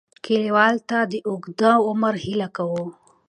لیکوال ته د اوږد عمر هیله کوو.